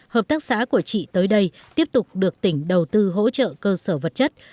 hợp tác xã của chị tới đây tiếp tục được tỉnh đầu tư hỗ trợ cơ sở vật chất